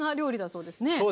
そうですね。